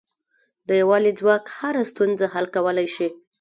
د یووالي ځواک هره ستونزه حل کولای شي.